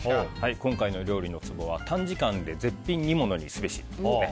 今回の料理のツボは短時間で絶品煮物にすべし。